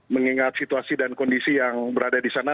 mengingat situasi dan kondisi yang berada di sana